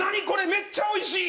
めっちゃおいしい！」